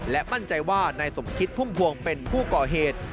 และมั่นใจว่านายสมคิดพุ่มพวงเป็นผู้ก่อเหตุ